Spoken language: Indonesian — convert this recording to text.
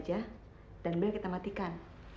bagaimana ma kalau pintu kita kunci saja